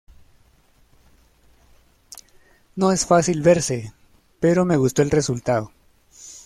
No es fácil verse, pero me gustó el resultado.